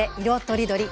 とりどり」